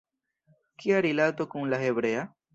Kia rilato kun la hebrea?